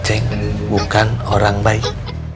acing bukan orang baik